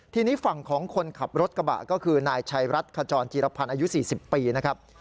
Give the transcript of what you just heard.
ทีนี้ฝั่งของคนขับรถกระบะก็คือนายชัยรัฐขจรจีรพันธ์อายุ๔๐ปีนะครับ